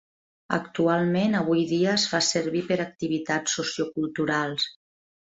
Actualment avui dia es fa servir per activitats socioculturals.